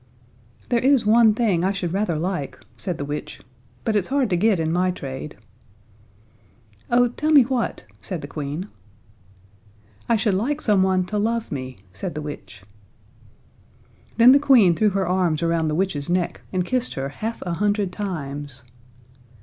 "There is one thing I should rather like," said the witch, "but it's hard to get in my trade." "Oh, tell me what," said the Queen. "I should like some one to love me," said the witch. Then the Queen threw her arms around the witch's neck and kissed her half a hundred times.